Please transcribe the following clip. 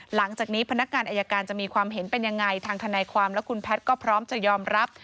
หลังจากนี้พนักงานอายการจะมีความเห็นเป็นยังไงทางทนายความและคุณแพทย์ก็พร้อมจะยอมรับ